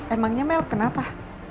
emangnya mel kenapa